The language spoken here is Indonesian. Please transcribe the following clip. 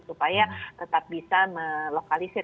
supaya tetap bisa melokalisir